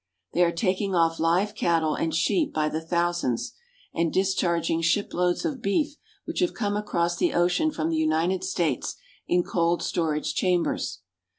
They are taking off live cattle and sheep by the thousands, and discharging shiploads of beef which have come across the ocean from the United States in cold storage chambers.